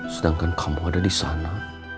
sedangkan kamu ada disana